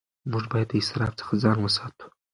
موږ باید له اسراف څخه ځان وساتو.